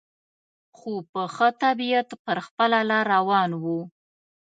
خو په ښه طبیعت پر خپله لار روان و.